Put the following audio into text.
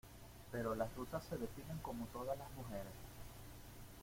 pero las rusas se depilan como todas las mujeres.